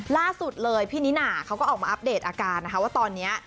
ล่าสุดเลยพี่นิน่าเขาก็ออกมาอัปเดตอาการนะคะว่าตอนนี้